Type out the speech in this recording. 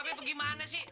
mbak be gimana sih